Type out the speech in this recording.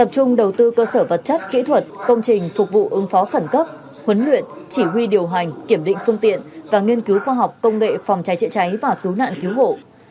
tập trung đầu tư cơ sở vật chất kỹ thuật công trình phục vụ ứng phó khẩn cấp huấn luyện chỉ huy điều hành kiểm định phương tiện và nghiên cứu khoa học công nghệ phòng cháy chữa cháy và cứu nạn cứu hộ